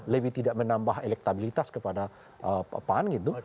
lebih tidak menambah elektabilitas kepada pan gitu